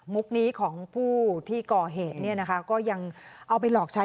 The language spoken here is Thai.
มุกนี้ของผู้ที่ก่อเหก็ยังเอาไปหลอกใช้